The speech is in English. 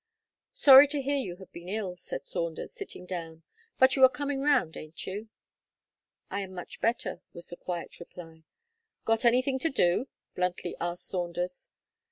"Sorry to hear you have been ill," said Saunders sitting down, "but you are coming round, ain't you?" "I am much better," was the quiet reply. "Got anything to do?" bluntly asked Saunders.